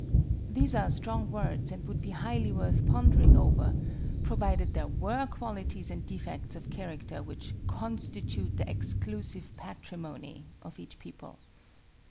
These are strong words and would be highly worth pondering over, provided there were qualities and defects of character which constitute the exclusive patrimony of each people.